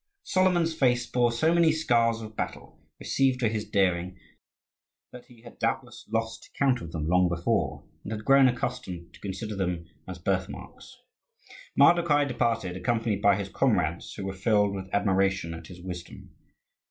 Solomon's face bore so many scars of battle, received for his daring, that he had doubtless lost count of them long before, and had grown accustomed to consider them as birthmarks. Mardokhai departed, accompanied by his comrades, who were filled with admiration at his wisdom.